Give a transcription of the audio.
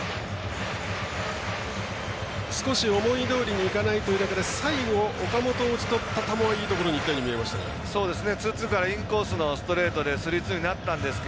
少し思いどおりにいかないという中で最後、岡本を打ち取った球はいいところにいったように見えましたが。